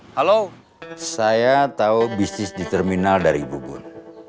halo saya tahu bisnis di terminal dari ibu bun